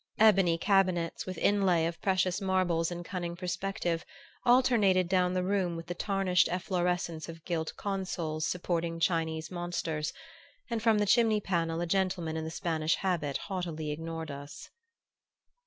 Ebony cabinets, with inlay of precious marbles in cunning perspective, alternated down the room with the tarnished efflorescence of gilt consoles supporting Chinese monsters; and from the chimney panel a gentleman in the Spanish habit haughtily ignored us.